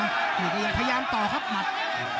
อย่าก็ยังพยายามต่อครับหมัด